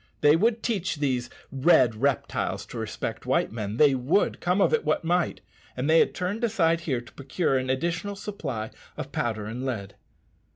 They would teach these "red reptiles" to respect white men, they would, come of it what might; and they had turned aside here to procure an additional supply of powder and lead.